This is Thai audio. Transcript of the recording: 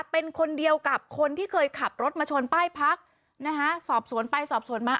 เป็นคนเดียวกับคนที่เคยขับรถมาชนป้ายพักนะคะสอบสวนไปสอบสวนมา